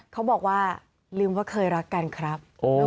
เขาบอกว่าลืมว่าเคยรักกันครับ